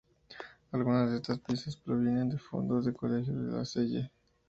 Algunas de estas piezas provienen de fondos del Colegio La Salle.